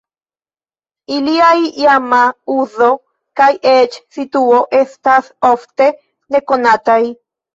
Iliaj iama uzo kaj eĉ situo estas ofte nekonataj.